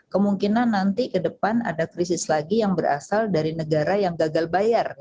kemungkinan nanti ke depan ada krisis lagi yang berasal dari negara yang gagal bayar